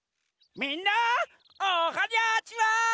みんなおはにゃちは！